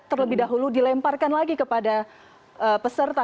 terlebih dahulu dilemparkan lagi kepada peserta